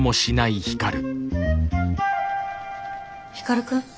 光くん？